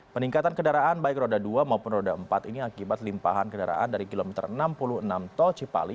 peningkatan kendaraan baik roda dua maupun roda empat ini akibat limpahan kendaraan dari kilometer enam puluh enam tol cipali